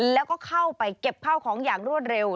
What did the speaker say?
แล้วก็เข้าไปเก็บข้าวของอย่างรวดเร็ว